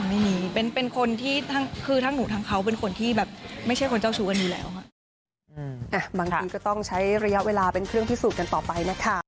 ไม่มีเป็นคนที่คือทั้งหนูทั้งเขาเป็นคนที่แบบไม่ใช่คนเจ้าชู้กันอยู่แล้ว